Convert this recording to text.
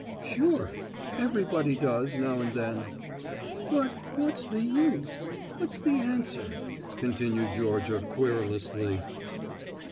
"Sure. Everybody does, now and then." "But what's the use? what's the answer?" continued Georgia querulously.